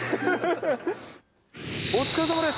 お疲れさまです。